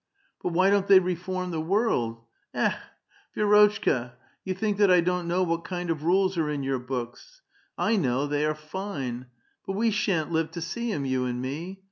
But why don't they reform the world? Ekh I Vi^rotchka, you think that I don't know what kind of rules are in your books. I know ; they are fine. But we sha'n't live to see 'em, you and me.